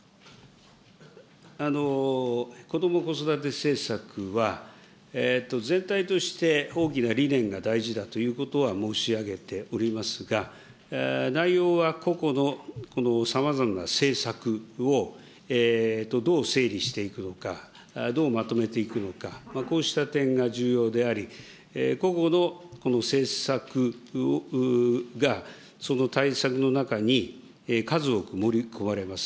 子ども・子育て政策は、全体として大きな理念が大事だということは申し上げておりますが、内容は個々のさまざまな政策を、どう整理していくのか、どうまとめていくのか、こうした点が重要であり、個々の政策がその対策の中に数多く盛り込まれます。